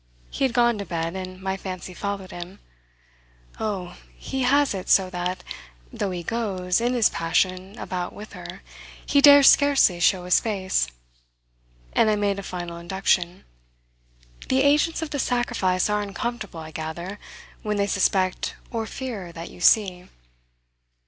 He had gone to bed, and my fancy followed him. "Oh, he has it so that, though he goes, in his passion, about with her, he dares scarcely show his face." And I made a final induction. "The agents of the sacrifice are uncomfortable, I gather, when they suspect or fear that you see."